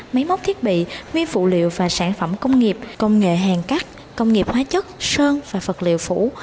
máy móc thiết bị nguyên phụ liệu và sản phẩm công nghiệp công nghệ hàng cắt công nghiệp hóa chất sơn và vật liệu phủ